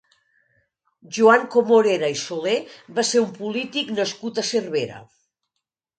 Joan Comorera i Soler va ser un polític nascut a Cervera.